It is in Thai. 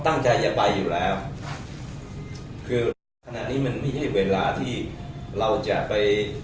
ตั้งใจจะไปอยู่แล้วคือขณะนี้มันไม่ใช่เวลาที่เราจะไป